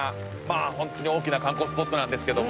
ホントに大きな観光スポットなんですけども。